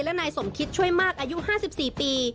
และนายสมคิดช่วยมากอายุ๕๔ปี